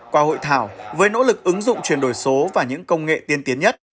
qua hội thảo với nỗ lực ứng dụng chuyển đổi số và những công nghệ tiên tiến nhất